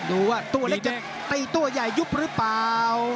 ดูว่าตัวเล็กจะตีตัวใหญ่ยุบหรือเปล่า